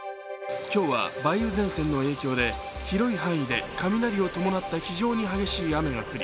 今日は梅雨前線の影響で広い範囲で雷を伴った非常に激しい雨が降り